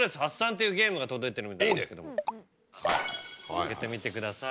開けてみてください。